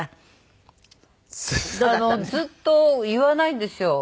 ずっと言わないんですよ